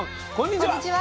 こんにちは。